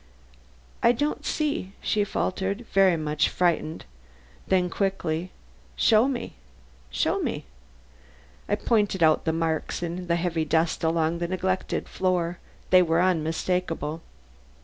"I don't see," she faltered, very much frightened; then quickly: "Show me, show me." I pointed out the marks in the heavy dust of the long neglected floor; they were unmistakable.